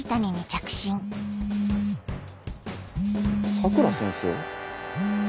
佐倉先生？